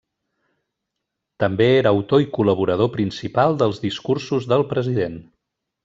També era autor i col·laborador principal dels discursos del president.